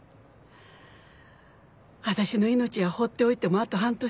私の命は放っておいてもあと半年。